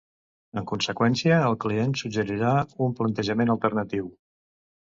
En conseqüència, el client suggerirà un plantejament alternatiu.